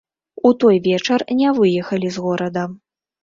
У той вечар не выехалі з горада.